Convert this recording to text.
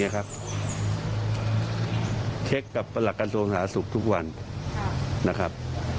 คุณผู้ชมครับล่าสุดที่ประชุมคณะรัฐมนตรีนะครับ